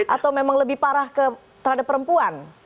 atau memang lebih parah terhadap perempuan